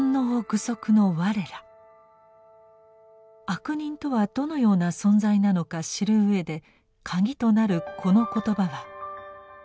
「悪人」とはどのような存在なのか知る上でカギとなるこの言葉は「歎異抄」